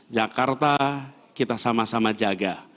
jakarta kita sama sama jaga